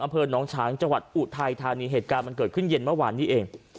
อำเภอน้องช้างจังหวัดอุทัยธานีเหตุการณ์มันเกิดขึ้นเย็นเมื่อวานนี้เอง